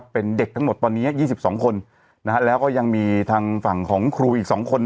เป็นเด็กทั้งหมดตอนนี้๒๒คนแล้วก็ยังมีทางฝั่งของครูอีก๒คน